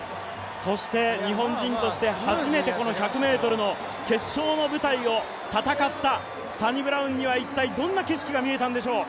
そして日本人として初めて１００ｍの決勝の舞台を戦ったサニブラウンには一体どんな景色が見えたんでしょう。